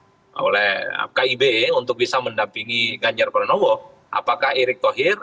ditutupkan gitu ya oleh oleh apkib untuk bisa mendampingi ganjarpranowo apakah erik tohir